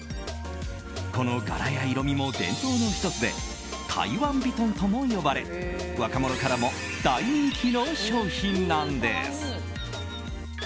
この柄や色味も伝統の１つで台湾ヴィトンとも呼ばれ若者からも大人気の商品なんです。